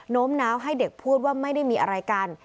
้มน้าวให้เด็กพูดว่าไม่ได้มีอะไรกัน